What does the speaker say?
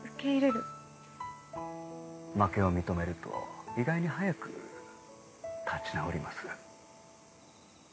負けを認めると意外に早く立ち直ります。